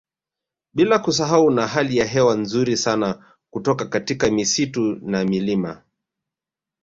Bila kusahau na hali ya hewa nzuri sana kutoka katika misitu na milima